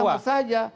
itu sama saja